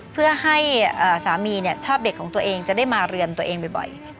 เพื่อให้สามีชอบเด็กของตัวเองจะได้มาเรียนตัวเองบ่อย